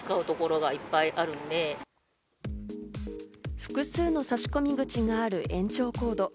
複数の差込口がある延長コード。